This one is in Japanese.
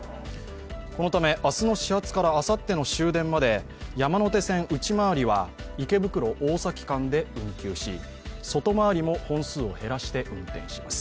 このため明日の始発からあさっての終電まで山手線内回りは池袋、大崎間で運休し外回りも本数を減らして運転します。